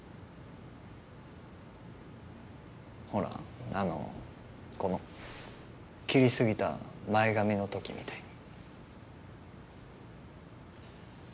ほらあのこの切りすぎた前髪の時みたいに。